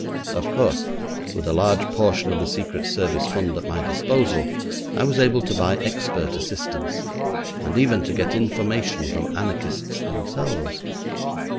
Of course, with a large portion of the Secret Service fund at my disposal, I was able to buy expert assistance, and even to get information from anarchists themselves.